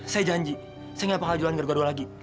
saya janji saya gak bakal jualan gara gara dua lagi